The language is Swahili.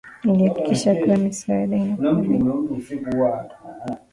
Ilihakikisha kuwa misaada inafaa bila kuingilia matakwa ya nchi